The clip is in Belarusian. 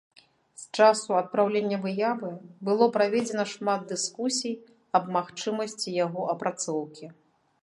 З часу адпраўлення выявы было праведзена шмат дыскусій аб магчымасці яго апрацоўкі.